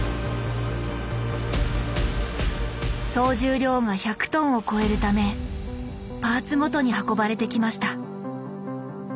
総重量が１００ｔを超えるためパーツごとに運ばれてきました。